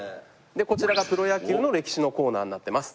でこちらがプロ野球の歴史のコーナーになってます。